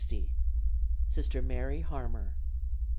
Sister Mary Harmer.